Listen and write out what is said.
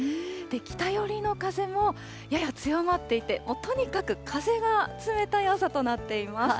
北寄りの風もやや強まっていて、とにかく風が冷たい朝となっています。